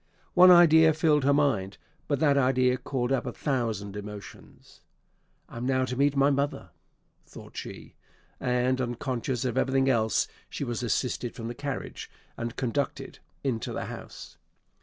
One idea filled her mind; but that idea called up a thousand emotions. "I am now to meet my mother!" thought she; and, unconscious of everything else, she was assisted from the carriage, and conducted into the house.